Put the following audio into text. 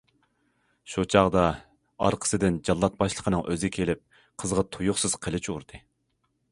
شۇ چاغدا ئارقىسىدىن جاللات باشلىقىنىڭ ئۆزى كېلىپ قىزغا تۇيۇقسىز قىلىچ ئۇردى.